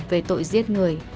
về tội giết người